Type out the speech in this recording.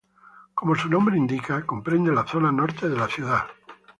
Como su nombre indica, comprende la zona norte de la ciudad.